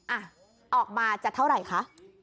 อ่ะออกมาจะเท่าไหร่คะ